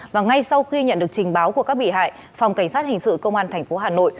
và ngay sau khi nhận được trình báo của các bị hại phòng cảnh sát hình sự công an tp hà nội